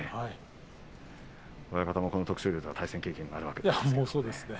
親方もこの徳勝龍と対戦経験があるわけです。